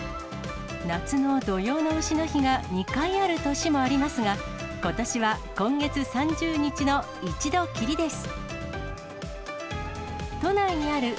夏の土用のうしの日が２回ある年もありますが、ことしは今月３０日の１度きりです。